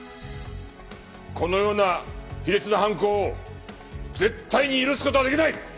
このような卑劣な犯行を絶対に許す事はできない！